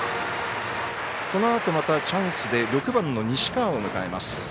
このあと、またチャンスで６番の西川を迎えます。